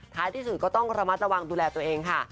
ที่สุดก็ต้องระมัดระวังดูแลตัวเองค่ะ